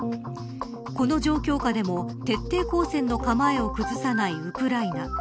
この状況下でも、徹底抗戦の構えを崩さないウクライナ。